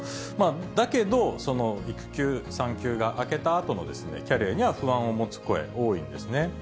だけど、育休・産休が明けたあとのキャリアには不安を持つ声、多いんですね。